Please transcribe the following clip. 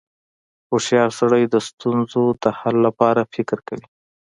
• هوښیار سړی د ستونزو د حل لپاره فکر کوي.